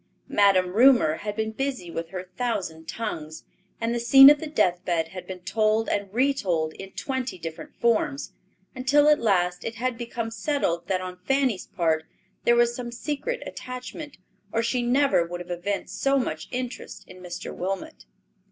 Madam Rumor had been busy with her thousand tongues, and the scene at the deathbed had been told and retold in twenty different forms, until at last it had become settled that on Fanny's part there was some secret attachment, or she never would have evinced so much interest in Mr. Wilmot.